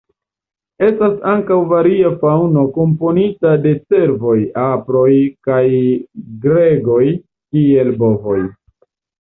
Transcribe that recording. Estas ankaŭ varia faŭno komponita de cervoj, aproj, kaj gregoj kiel bovoj.